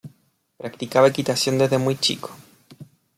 Practicaba equitación desde muy chico.